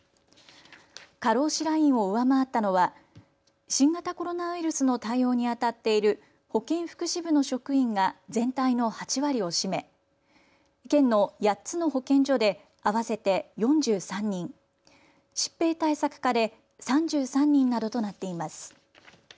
過労死ラインを上回ったのは新型コロナウイルスの対応にあたっている保健福祉部の職員が全体の８割を占め県の８つの保健所で合わせて４３人、疾病対策課で３３人などとなっています。